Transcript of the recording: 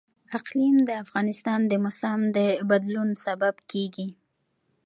اقلیم د افغانستان د موسم د بدلون سبب کېږي.